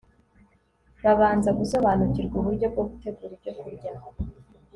babanza gusobanukirwa uburyo bwo gutegura ibyokurya